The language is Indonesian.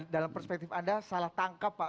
dalam perspektif anda salah tangkap pak